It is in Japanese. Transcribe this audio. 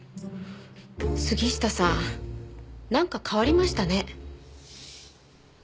杉下さんなんか変わりましたね。